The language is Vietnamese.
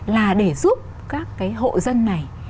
là để giúp các cái hộ dân này